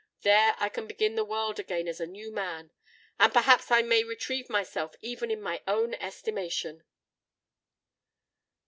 There I can begin the world again as a new man—and perhaps I may retrieve myself even in my own estimation!"